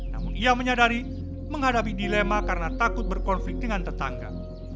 namun ia menyadari menghadapi dilema karena takut berkonflik dengan tetangga